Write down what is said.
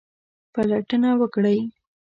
پلټنه وکړئ